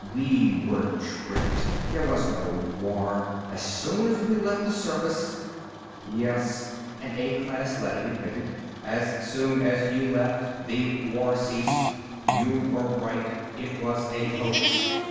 We were tricked. There was no war. As soon as we left the surface " "Yes," an A class leady admitted. "As soon as you left, the war ceased. You're right, it was a hoax.